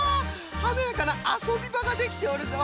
はなやかなあそびばができておるぞ。